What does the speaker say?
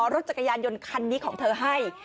รถจักรยานยนต์คันนี้ของเธอให้